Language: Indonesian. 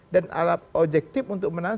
dan alat objektif untuk menahan